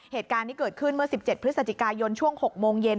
เหตุการณ์นี้เกิดขึ้นเมื่อ๑๗พฤศจิกายนช่วง๖โมงเย็น